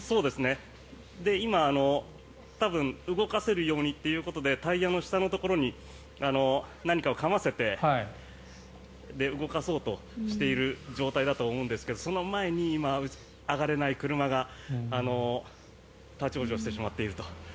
今、多分動かせるようにということでタイヤの下のところに何かをかませて動かそうとしている状態だと思うんですけどその前に今、上がれない車が立ち往生してしまっていると。